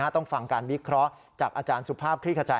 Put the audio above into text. ต้องฟังการวิเคราะห์จากอาจารย์สุภาพคลี่ขจา